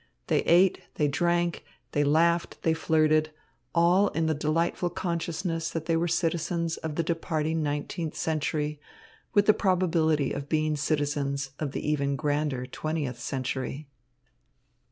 They ate, they drank, they laughed, they flirted, all in the delightful consciousness that they were citizens of the departing nineteenth century, with the probability of being citizens of the even grander twentieth century.